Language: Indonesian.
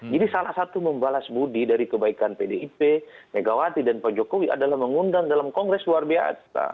jadi salah satu membalas budi dari kebaikan pdip megawati dan pak jokowi adalah mengundang dalam kongres luar biasa